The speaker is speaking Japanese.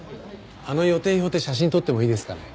あの予定表って写真撮ってもいいですかね？